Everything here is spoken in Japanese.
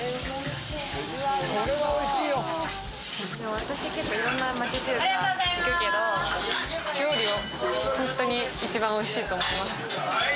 私、結構、いろんな町中華行くけど料理は本当に一番おいしいと思います。